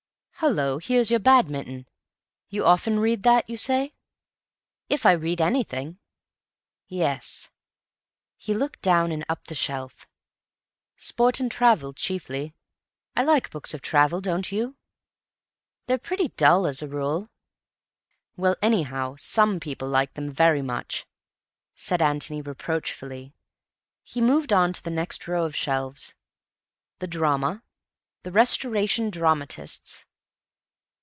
Hallo, here's your 'Badminton.' You often read that, you say?" "If I read anything." "Yes." He looked down and up the shelf. "Sport and Travel chiefly. I like books of travel, don't you?" "They're pretty dull as a rule." "Well, anyhow, some people like them very much," said Antony, reproachfully. He moved on to the next row of shelves. "The Drama. The Restoration dramatists.